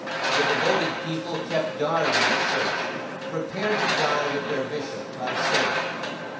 The devoted people kept guard in the church, prepared to die with their bishop, thy servant.